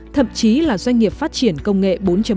thậm chí là doanh nghiệp phát triển công nghệ bốn